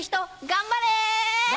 頑張れ！